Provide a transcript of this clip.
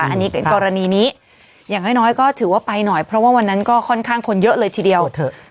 อันนี้เป็นกรณีนี้อย่างน้อยก็ถือว่าไปหน่อยเพราะว่าวันนั้นก็ค่อนข้างคนเยอะเลยทีเดียว